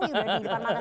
bukan mana semua